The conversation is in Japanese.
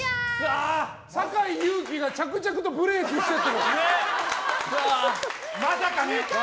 坂井勇気が着々とブレークしてきてますね。